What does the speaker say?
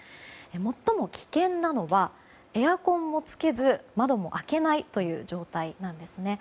最も危険なのはエアコンもつけず窓も開けないという状態です。